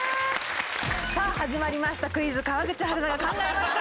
さあ始まりました「クイズ川口春奈が考えました」。